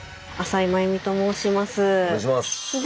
お願いします。